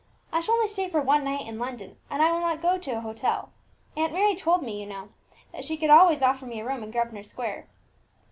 I shall only stay for one night in London, and I will not go to a hotel. Aunt Mary told me, you know, that she could always offer me a room in Grosvenor Square."